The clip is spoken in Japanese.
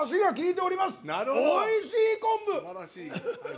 おいしい昆布！